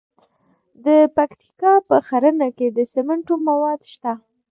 د پکتیکا په ښرنه کې د سمنټو مواد شته.